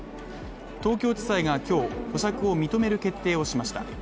東京地裁が今日保釈を認める決定をしました。